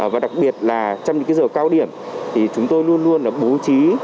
và đặc biệt là trong những giờ cao điểm thì chúng tôi luôn luôn bố trí